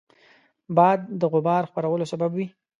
باد د غبار خپرولو سبب وي